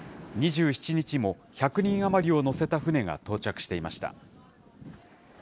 ２７日も１００人余りを乗せた船が到着していました。